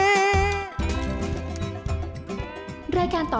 ชิ้นตะวันออกชิ้นตะวันตก